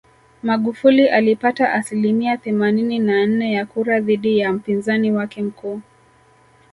Magufuli alipata asilimia themanini na nne ya kura dhidi ya mpinzani wake mkuu